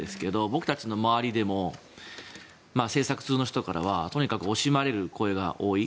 僕たちの周りでも政策通の人からは惜しまれる声が多い。